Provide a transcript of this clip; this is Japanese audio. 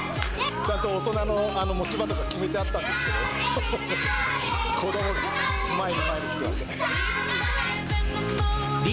ちゃんと大人の持ち場とか決めてあったんですけど、子どもが前に前に来てましたね。